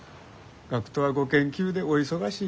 学頭はご研究でお忙しい。